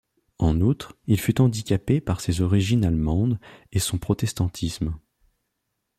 En outre, il fut handicapé par ses origines allemandes et son protestantisme.